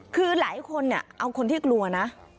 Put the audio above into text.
คือหลายคนเนี่ยเอาคนที่กลัวนะ